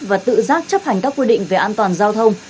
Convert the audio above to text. và tự giác chấp hành các quy định về an toàn giao thông